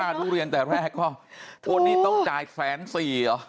ค่าทุเรียนแต่แรกเหรอตัวนี้ต้องจ่าย๑๔๐๐๐๐บาทเหรอ